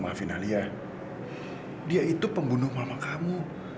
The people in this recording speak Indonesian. alia tunggu aku